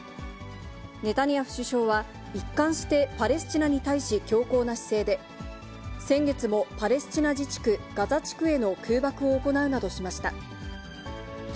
ネタニヤフ首相は、一貫してパレスチナに対し強硬な姿勢で、先月もパレスチナ自治区ガザ地区への空爆を行うなどしました。